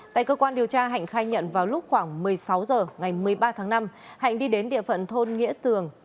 tại cơ quan điều tra hạnh khai nhận vào lúc khoảng một mươi sáu h ngày một mươi ba tháng năm hạnh đi đến địa phận thôn nghĩa tường